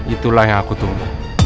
itulah yang aku tunggu